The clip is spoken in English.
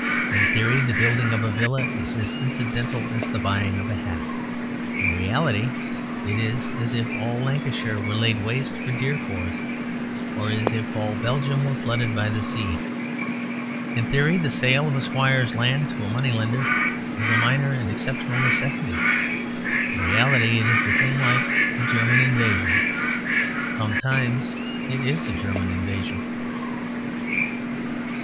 In theory the building of a villa is as incidental as the buying of a hat. In reality it is as if all Lancashire were laid waste for deer forests; or as if all Belgium were flooded by the sea. In theory the sale of a squire's land to a moneylender is a minor and exceptional necessity. In reality it is a thing like a German invasion. Sometimes it is a German invasion.